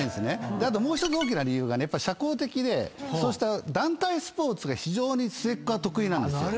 あともう１つ大きな理由がやっぱ社交的で団体スポーツが非常に末っ子は得意なんですよ。